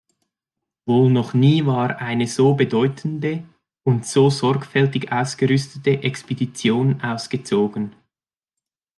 Wohl noch nie war eine so bedeutende und so sorgfältig ausgerüstete Expedition ausgezogen.